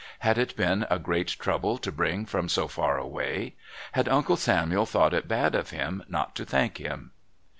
Had it been a great trouble to bring from so far away? Had Uncle Samuel thought it bad of him not to thank him?